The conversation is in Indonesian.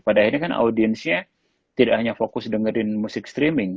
pada akhirnya kan audiensnya tidak hanya fokus dengerin musik streaming